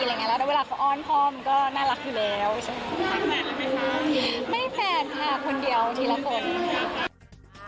แล้วเวลาเขาอ้อนพ่อมันก็น่ารักอยู่แล้ว